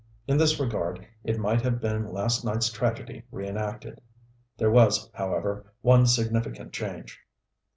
In this regard it might have been last night's tragedy reënacted. There was, however, one significant change.